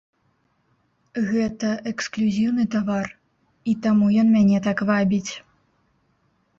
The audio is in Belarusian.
Гэта эксклюзіўны тавар, і таму ён мяне так вабіць.